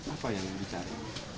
apa yang dicari